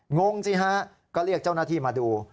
งงสิฮะก็เรียกเจ้าหน้าที่มาดู